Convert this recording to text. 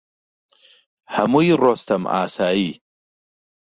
هەمووی ڕۆستەم ئاسایی